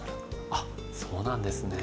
あっそうなんですね。